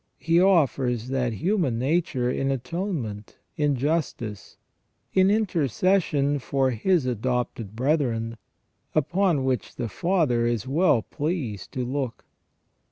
He offers that human nature in atonement, in justice, in intercession for His adopted brethren, upon which the Father is well pleased to look.